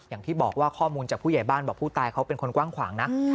อย่างที่บอกว่าข้อมูลจากผู้ใหญ่บ้านบอกผู้ตายเขาเป็นคนกว้างขวางนะ